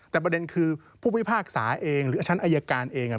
แต่ประเด็นคือผู้พิพากษาเองหรือชั้นอายการเอง